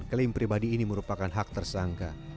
klaim pribadi ini merupakan hak tersangka